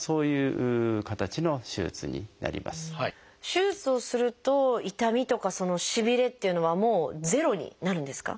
手術をすると痛みとかしびれっていうのはもうゼロになるんですか？